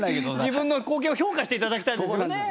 自分の貢献を評価して頂きたいですよね。